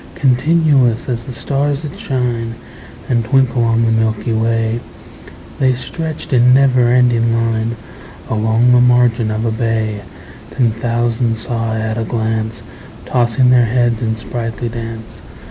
Continuous as the stars that shine And twinkle on the milky way, The stretched in never ending line Along the margin of a bay: Ten thousand saw I at a glance, Tossing their heads in sprightly dance.